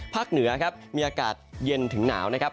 เหนือครับมีอากาศเย็นถึงหนาวนะครับ